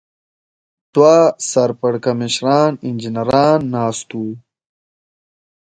دوه سر پړکمشران انجنیران ناست و.